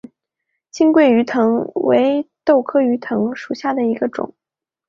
黔桂鱼藤为豆科鱼藤属下的一个种。